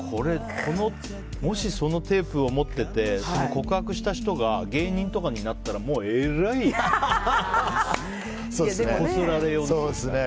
もしそのテープを持ってて告白した人が芸人とかになったらもう、えらいこすられようですよ。